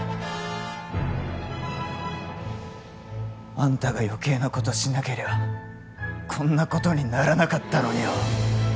あんたが余計なことしなけりゃこんなことにならなかったのによ。